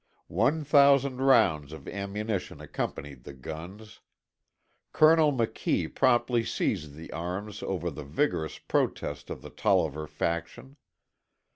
One thousand rounds of ammunition accompanied the guns. Col. McKee promptly seized the arms over the vigorous protest of the Tolliver faction.